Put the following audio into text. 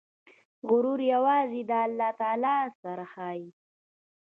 غرور یوازې د الله تعالی سره ښایي.